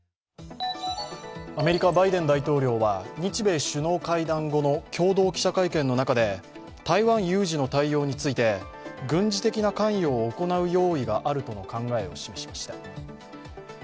アメリカ・バイデン大統領は日米首脳会談後の共同記者会見の中で台湾有事の対応について、軍事的な関与を行う用意があるとの考えを示しました。